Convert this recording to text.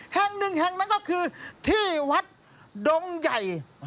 แห่งหนึ่งแห่งหนึ่งก็คือที่วัดดงไย